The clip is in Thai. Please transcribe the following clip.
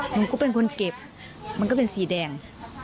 หนูก็เป็นคนเก็บมันก็เป็นสีแดง